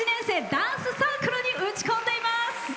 ダンスサークルに打ち込んでいます。